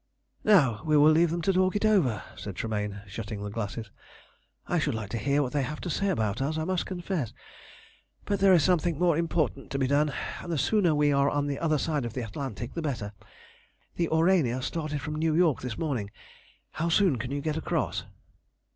"Now we will leave them to talk it over," said Tremayne, shutting the glasses. "I should like to hear what they have to say about us, I must confess, but there is something more important to be done, and the sooner we are on the other side of the Atlantic the better. The Aurania started from New York this morning. How soon can you get across?"